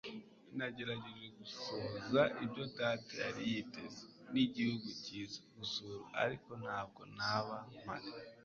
Nagerageje gusohoza ibyo data yari yiteze. Nigihugu cyiza gusura, ariko ntabwo naba mpari.